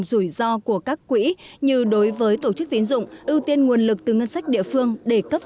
rủi ro của các quỹ như đối với tổ chức tín dụng ưu tiên nguồn lực từ ngân sách địa phương để cấp